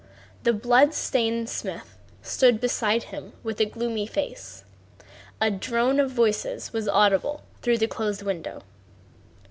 The blood stained smith stood beside him with a gloomy face. A drone of voices was audible through the closed window.